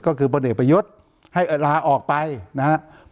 ก็คือพลเอกประยุทธ์ให้ลาออกไปนะครับ